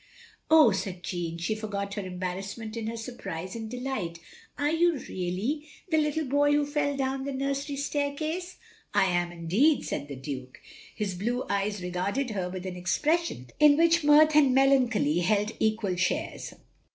"Oh!" said Jeanne, — she forgot her embar rassment in her surprise and delight, "are you really — ^the little boy who fell down the nursery staircase?" " I am indeed, " said the Duke. His blue eyes regarded her with an expression in which mirth and melancholy held equal shares.